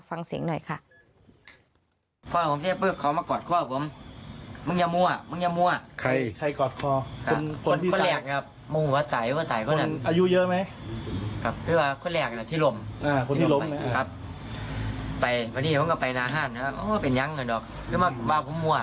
ฟังเสียงหน่อยค่ะ